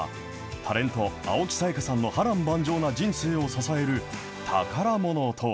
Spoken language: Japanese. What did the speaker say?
タレント、青木さやかさんの波乱万丈な人生を支える宝ものとは。